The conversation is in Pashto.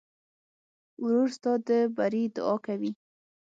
ورور ستا د بري دعا کوي.